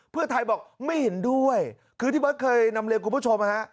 เพื่อไทยบอกไม่เห็นด้วยคือที่เบิร์ตเคยนำเรียนคุณผู้ชมฮะ